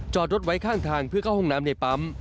จอดรถไว้ข้างทางเพื่อเข้าห้องน้ำในปั๊ม